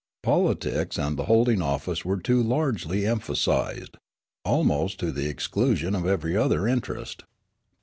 Politics and the holding of office were too largely emphasised, almost to the exclusion of every other interest.